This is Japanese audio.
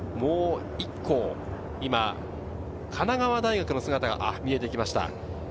もう１校、神奈川大学の姿が見えてきました。